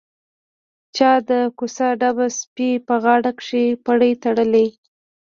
چا د کوڅه ډبه سپي په غاړه کښې پړى تړلى.